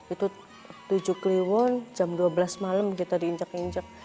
itu tujuh kliwon jam dua belas malam kita diinjak injak